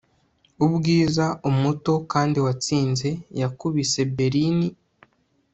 ubwiza, umuto kandi watsinze yakubise bellini